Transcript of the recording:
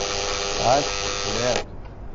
Nun soi a imaxinar que va ser de nós.